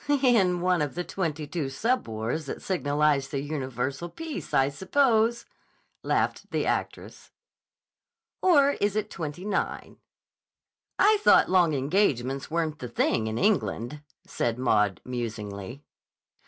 "In one of the twenty two sub wars that signalize the universal peace, I suppose," laughed the actress. "Or is it twenty nine." "I thought long engagements weren't the thing in England," said Maud, musingly.